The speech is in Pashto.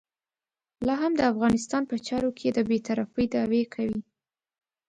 لا هم د افغانستان په چارو کې د بې طرفۍ دعوې کوي.